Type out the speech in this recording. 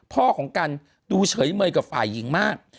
พ่อของกันดูเฉยเมยกับฝ่ายหญิงมาก